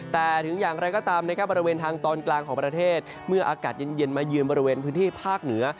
แต่ถึงอย่างไรก็ตามนะครับบริเวณทางตอนกลางของประเทศเมื่ออากาศเย็นมายืนบริเวณพื้นที่ภาคเหนือ